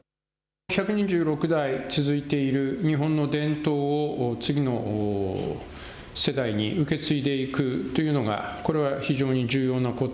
１２６代続いている日本の伝統を、次の世代に受け継いでいくというのが、これは非常に重要なこと。